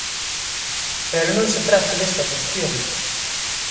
Pero non se trata desta cuestión.